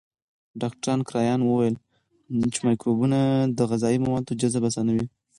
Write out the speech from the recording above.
ډاکټر کرایان وویل چې مایکروبونه د غذایي موادو جذب اسانوي.